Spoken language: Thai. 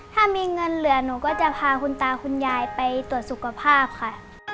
ถ้ามีเงินเหลือหนูก็จะพาคุณตาคุณยายไปตรวจสุขภาพค่ะ